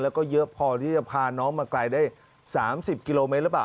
แล้วก็เยอะพอที่จะพาน้องมาไกลได้๓๐กิโลเมตรหรือเปล่า